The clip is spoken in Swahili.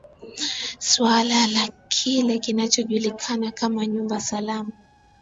suala la kile kinachojulikana kama nyumba salama